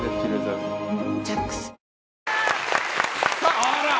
あら。